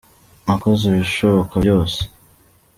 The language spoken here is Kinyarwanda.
Nakoze ibishoboka byose.